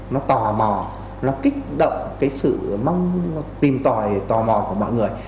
nó tò mò nó kích động cái sự mong tìm tòi tò mò của mọi người